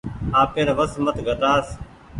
آپير وس مت گھٽآس ۔